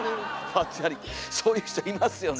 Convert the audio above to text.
まったりそういう人いますよね。